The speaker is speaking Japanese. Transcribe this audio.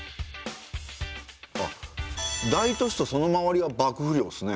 あっ大都市とその周りは幕府領ですね。